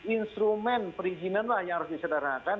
instrumen perizinan lah yang harus disederhanakan